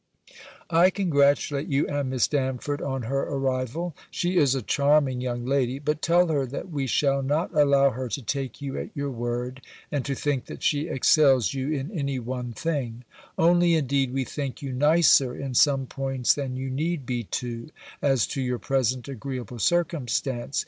I congratulate you and Miss Damford on her arrival: she is a charming young lady; but tell her, that we shall not allow her to take you at your word, and to think that she excels you in any one thing: only, indeed, we think you nicer in some points than you need be to, as to your present agreeable circumstance.